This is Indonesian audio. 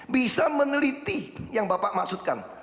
bisa meneliti yang bapak maksudkan